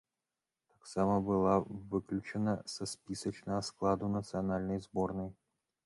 Таксама была выключана са спісачнага складу нацыянальнай зборнай.